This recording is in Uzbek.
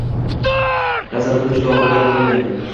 Nazarimda, juda og‘ir gap qilgandim.